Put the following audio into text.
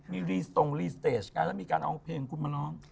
มีวีสตรงรีสเตสการเรามีการเอาเพลงคุณมาน้อง